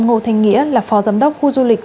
ngô thanh nghĩa là phó giám đốc khu du lịch